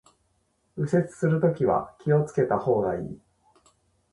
右折するときは気を付けた方がいい